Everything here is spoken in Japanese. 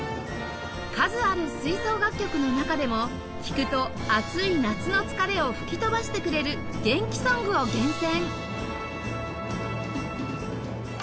数ある吹奏楽曲の中でも聴くと暑い夏の疲れを吹き飛ばしてくれる元気ソングを厳選